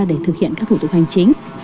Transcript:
để thực hiện các thủ tục hành chính